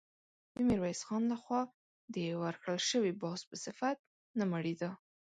د ميرويس خان له خوا د ورکړل شوي باز په صفت نه مړېده.